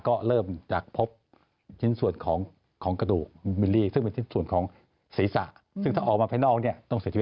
ก็เป็นการยืนยันตังคลักวิทยาศาสตร์